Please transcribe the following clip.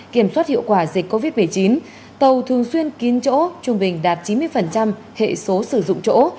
kiểm soát hiệu quả dịch covid một mươi chín tàu thường xuyên kín chỗ trung bình đạt chín mươi hệ số sử dụng chỗ